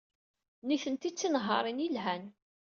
Nitenti d tinehhaṛin yelhan.